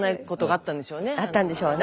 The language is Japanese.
あったんでしょうね。